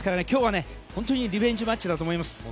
今日は本当にリベンジマッチだと思います。